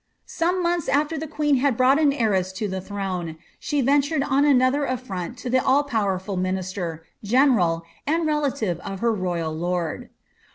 ome months af\er the queen had brought an heiress to the throne, ventured on another affront to the all powerful minister, general, relative of her royal lord.